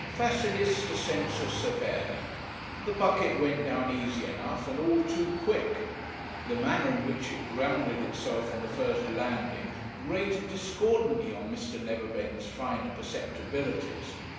'Facilis descensus Averni.' The bucket went down easy enough, and all too quick. The manner in which it grounded itself on the first landing grated discordantly on Mr. Neverbend's finer perceptibilities.